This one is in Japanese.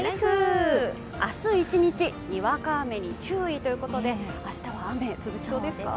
明日一日、にわか雨に注意ということで明日は雨、続きそうですか。